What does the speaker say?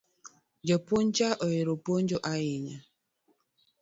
Japuonj cha ohero puonjo ahinya